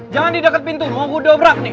jangan di deket pintu mau gue dobrak nih